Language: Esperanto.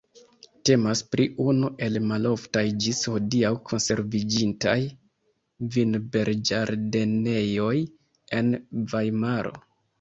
Temas pri unu el maloftaj ĝis hodiaŭ konserviĝintaj vinberĝardenejoj en Vajmaro.